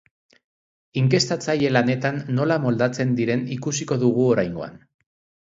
Inkestatzaile lanetan nola moldatzen diren ikusiko dugu oraingoan.